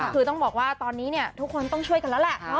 คือต้องบอกว่าตอนนี้เนี่ยทุกคนต้องช่วยกันแล้วแหละ